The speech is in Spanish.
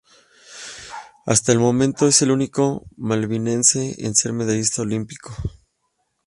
Hasta el momento es el único malvinense en ser medallista olímpico.